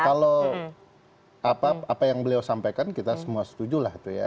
kalau apa yang beliau sampaikan kita semua setuju lah itu ya